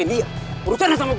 ini saatnya gue bales budi sama lo